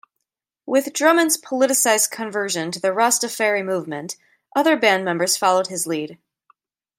With Drummond's politicized conversion to the Rastafari movement, other band members followed his lead.